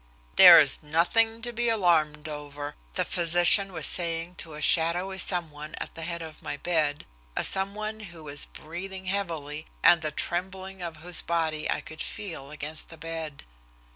"There is nothing to be alarmed over," the physician was saying to a shadowy some one at the head of my bed, a some one who was breathing heavily, and the trembling of whose body I could feel against the bed.